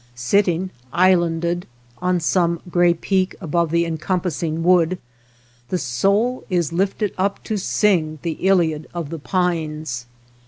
Sitting islanded on some gray peak above the encompassing wood, the soul is lifted up to sing the Iliad of the pines.